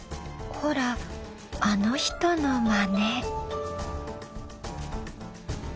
ほらあの人のマネ。